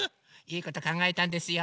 いいことかんがえたんですよ。